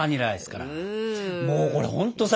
もうこれほんとさ